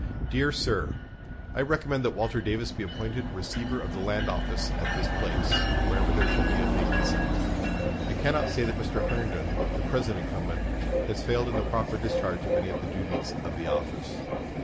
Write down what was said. "DEAR SIR: I recommend that Walter Davis be appointed Receiver of the Land Office at this place, whenever there shall be a vacancy. I cannot say that Mr. Herndon, the present incumbent, has failed in the proper discharge of any of the duties of the office.